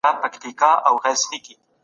حساب ورکوونه څنګه ترسره کیږي؟